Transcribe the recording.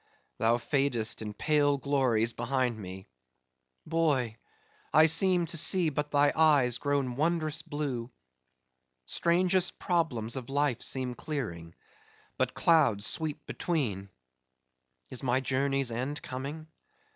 thou fadest in pale glories behind me; boy! I seem to see but thy eyes grown wondrous blue. Strangest problems of life seem clearing; but clouds sweep between—Is my journey's end coming?